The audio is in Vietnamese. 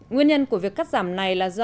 nguyên nhân của việc cắt giảm này là do